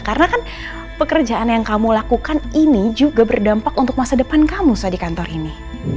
karena kan pekerjaan yang kamu lakukan ini juga berdampak untuk masa depan kamu sah di kantor ini